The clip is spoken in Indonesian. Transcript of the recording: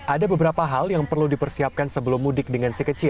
ada beberapa hal yang perlu dipersiapkan sebelum mudik